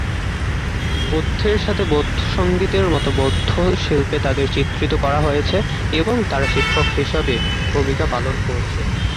বুদ্ধের সাথে বৌদ্ধ সঙ্গীতের মতো বৌদ্ধ শিল্পে তাদের চিত্রিত করা হয়েছে এবং তারা শিক্ষক হিসাবে ভূমিকা পালন করছে।